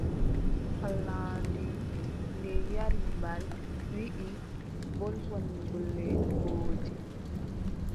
Pallaandi nde yari mbal, wiʼi wolwan bolle mboodi.